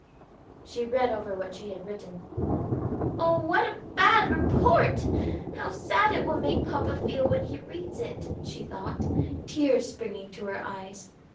She read over what she had written. "Oh, what a bad report! How sad it will make papa feel when he reads it!" she thought, tears springing to her eyes.